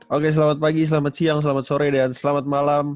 oke selamat pagi selamat siang selamat sore dan selamat malam